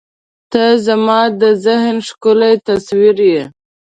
• ته زما د ذهن ښکلی تصویر یې.